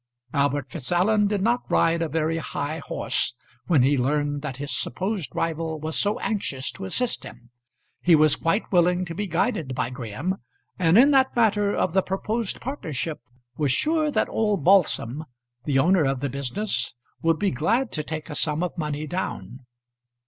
Albert Fitzallen did not ride a very high horse when he learned that his supposed rival was so anxious to assist him. He was quite willing to be guided by Graham, and, in that matter of the proposed partnership, was sure that old Balsam, the owner of the business, would be glad to take a sum of money down.